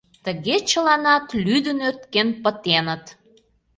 Тыге чыланат лӱдын-ӧрткен пытеныт!..